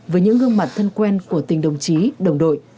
với những gương mặt thân quen của tình đồng chí đồng đội